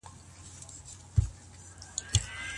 انجینري پوهنځۍ په خپلسري ډول نه ویشل کیږي.